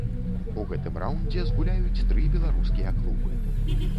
У гэтым раўндзе згуляюць тры беларускія клубы.